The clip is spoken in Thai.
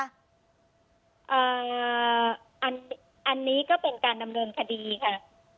อันนี้ก็เป็นการดำเนินคดีค่ะ